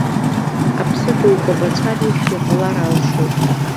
Аԥсы дукәабацәар ихьуа ҟалар алшоит.